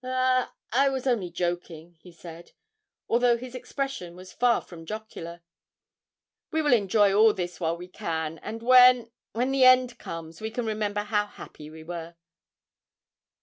'I I was only joking,' he said (although his expression was far from jocular); 'we will enjoy all this while we can, and when when the end comes we can remember how happy we were!'